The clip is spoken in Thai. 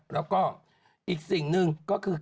แล้วก็อีกสิ่งหนึ่งก็คือ